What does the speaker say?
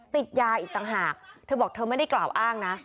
ติดยาอีกต่างหากเธอบอกเธอไม่ได้กล่าวอ้างนะ